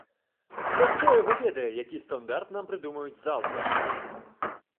Бо хто яго ведае, які стандарт нам прыдумаюць заўтра.